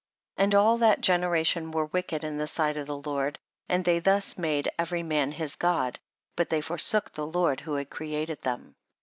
9. And all that generation were wicked in the sight of the Lord, and they thus made every man his god, but they forsook the Lord who had created them.